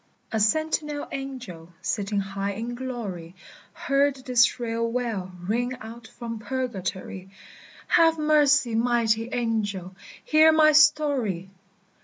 A sentinel angel, sitting high in glory, Heard this shrill wail ring out from Purgatory: "Have mercy, mighty angel, hear my story!